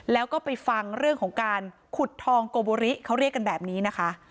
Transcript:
แล้วก็ไปฟังเรื่องของการขุดทองโกบุริเขาเรียกกันแบบนี้นะคะ